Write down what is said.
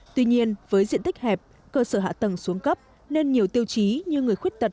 tuy nhiên với diện tích hẹp cơ sở hạ tầng xuống cấp nên nhiều tiêu chí như người khuyết tật